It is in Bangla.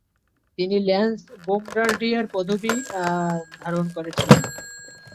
তিনি ল্যান্স বোম্বার্ডিয়ার পদবী ধারণ করেছিলেন।